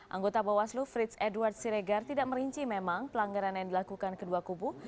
anggota bawaslu fritz edward siregar tidak merinci memang pelanggaran yang dilakukan kedua kubu